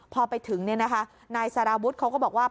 พอไปถึงนายสารวุฒิเขาก็บอกว่า